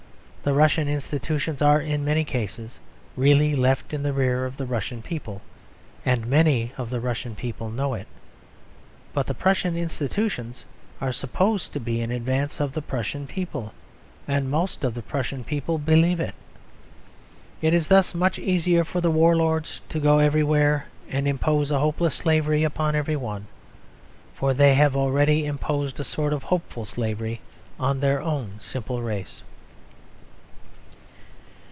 The Russian institutions are, in many cases, really left in the rear of the Russian people, and many of the Russian people know it. But the Prussian institutions are supposed to be in advance of the Prussian people, and most of the Prussian people believe it. It is thus much easier for the warlords to go everywhere and impose a hopeless slavery upon every one, for they have already imposed a sort of hopeful slavery on their own simple race.